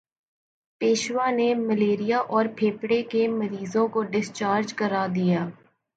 پیشوا نے ملیریا اور پھیپھڑے کے مریضوں کو ڈسچارج کرا دیا